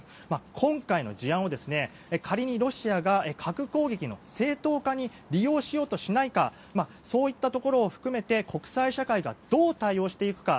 今回の事案を、仮にロシアが核攻撃の正当化に利用しようとしないかそういったところを含めて国際社会がどう対応していくか